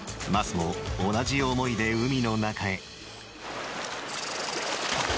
桝も同じ思いで海の中へ。